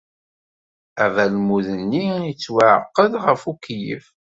Abalmud-nni yettwaɛaqeb ɣef ukeyyef.